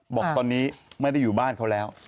บอกตอนนี้ไม่ได้อยู่บ้านเขาแล้ว